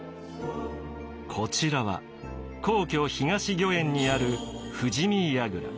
こちらは皇居東御苑にある富士見櫓。